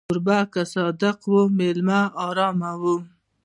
کوربه که صادق وي، مېلمه ارام وي.